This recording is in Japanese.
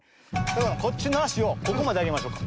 こっちのあしをここまであげましょうか。